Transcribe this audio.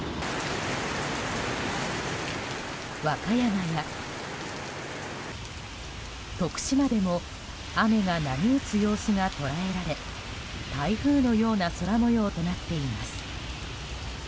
和歌山や、徳島でも雨が波打つ様子が捉えられ台風のような空模様となっています。